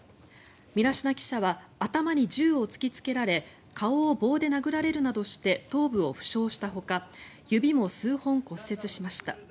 ミラシナ記者は頭に銃を突きつけられ顔を棒で殴られるなどして頭部を負傷したほか指も数本骨折しました。